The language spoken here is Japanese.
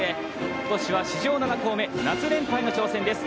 ことしは史上７校目夏連覇へ挑戦です。